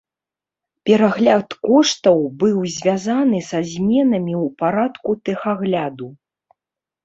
Перагляд коштаў быў звязаны са зменамі ў парадку тэхагляду.